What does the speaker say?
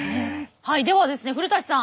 はいではですね古さん。